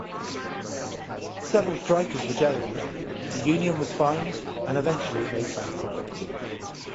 Several strikers were jailed; the union was fined and eventually made bankrupt.